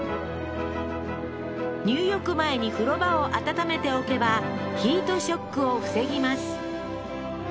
入浴前に風呂場を温めておけばヒートショックを防ぎます